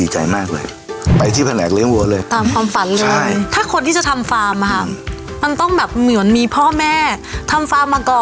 อ๋อใช่ครับวันเข้ามาหากวิรัยครับ